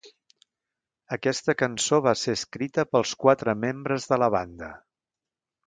Aquesta cançó va ser escrita pels quatre membres de la banda.